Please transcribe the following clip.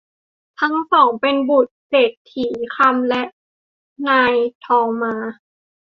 ทั้งสองเป็นบุตรเศรษฐีคำ และคุณนายทองมา